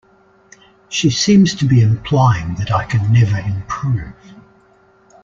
She seems to be implying that I can never improve.